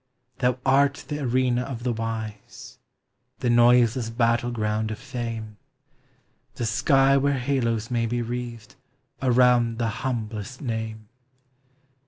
Thou art the arena of the wise, The noiseless battle ground of fame; The sky where halos may be wreathed Around the humblest name.